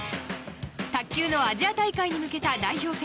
卓球のアジア大会に向けた代表